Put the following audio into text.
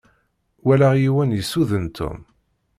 Walaɣ yiwen yessuden Tom.